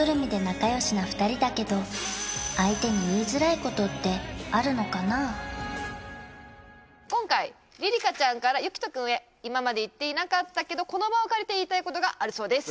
ここは全部現在彼氏そんなな２人だけど今回りりかちゃんからゆきとくんへ今まで言っていなかったけどこの場を借りて言いたいことがあるそうです